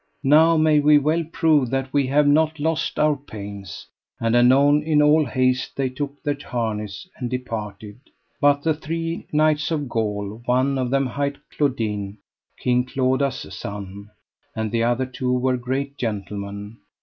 Now may we well prove that we have not lost our pains. And anon in all haste they took their harness and departed. But the three knights of Gaul, one of them hight Claudine, King Claudas' son, and the other two were great gentlemen.